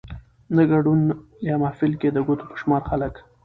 نه ګدون يا محفل کې د ګوتو په شمار خلک